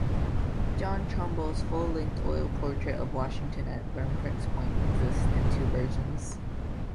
John Trumbull's full-length oil portrait of "Washington at Verplanck's Point" exists in two versions.